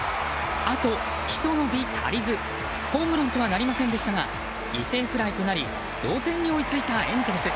あとひと伸び足りずホームランとはなりませんでしたが犠牲フライとなり同点に追いついたエンゼルス。